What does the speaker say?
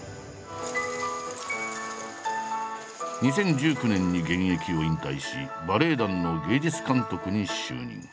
２０１９年に現役を引退しバレエ団の芸術監督に就任。